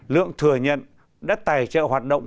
lượng thừa nhận đã tài trợ hoạt động